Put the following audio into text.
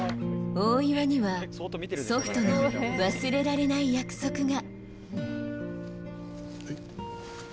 大岩には祖父との忘れられない約束が。